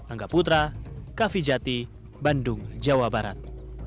angga putra kavijati bandung jawa barat